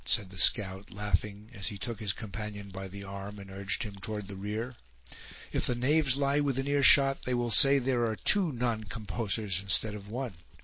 said the scout, laughing, as he took his companion by the arm, and urged him toward the rear. "If the knaves lie within earshot, they will say there are two non compossers instead of one!